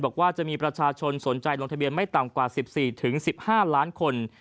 บอกว่าจะมีประชาชนสนใจลงทะเบียนไม่ต่ำกว่า๑๔๑๕ล้านคน